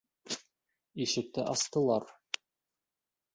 Ишекте астылар.